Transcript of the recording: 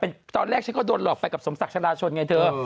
ตอนแรกฉันก็โดนหลอกไปกับสมศักราชชนไงเธอ